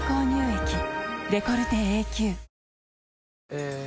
え